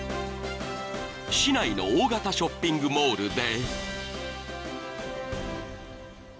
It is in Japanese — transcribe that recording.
［市内の大型ショッピングモールで］